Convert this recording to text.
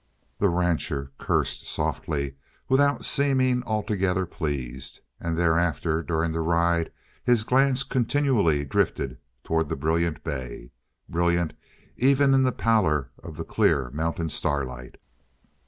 The rancher cursed softly, without seeming altogether pleased. And thereafter during the ride his glance continually drifted toward the brilliant bay brilliant even in the pallor of the clear mountain starlight.